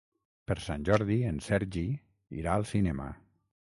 Per Sant Jordi en Sergi irà al cinema.